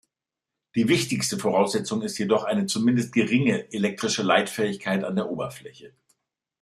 Die wichtigste Voraussetzung ist jedoch eine zumindest geringe elektrische Leitfähigkeit an der Oberfläche.